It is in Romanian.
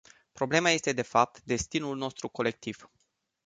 Problema este de fapt destinul nostru colectiv.